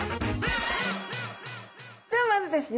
ではまずですね